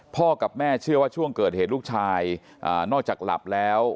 กับแม่เชื่อว่าช่วงเกิดเหตุลูกชายนอกจากหลับแล้ว